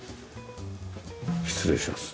失礼します。